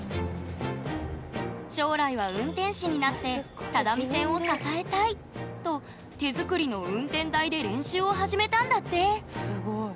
将来は運転士になって只見線を支えたい！と手作りの運転台で練習を始めたんだって！